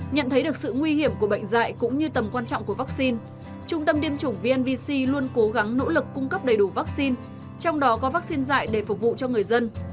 nhận thấy được sự nguy hiểm của bệnh dạy cũng như tầm quan trọng của vaccine trung tâm tiêm chủng vnvc luôn cố gắng nỗ lực cung cấp đầy đủ vaccine trong đó có vaccine dạy để phục vụ cho người dân